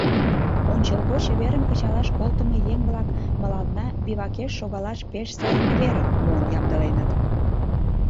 Ончылгоч верым кычалаш колтымо еҥ-влак мыланна бивакеш шогалаш пеш сай верым муын ямдыленыт.